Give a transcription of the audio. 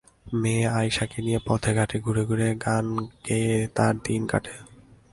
মেয়ে আয়শাকে নিয়ে পথে-ঘাটে ঘুরে ঘুরে গান গেয়ে তাঁর দিন কাটে।